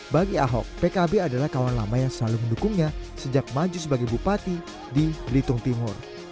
bagi ahok pkb adalah kawan lama yang selalu mendukungnya sejak maju sebagai bupati di belitung timur